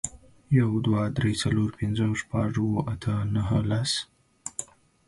For more information see Logic Gate Symbols.